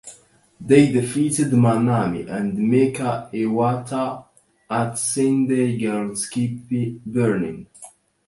They defeated Manami and Mika Iwata at Sendai Girls Keep Burning.